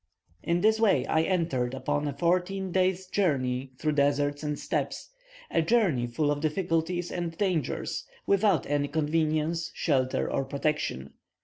In this way I entered upon a fourteen days' journey through deserts and steppes, a journey full of difficulties and dangers, without any convenience, shelter, or protection.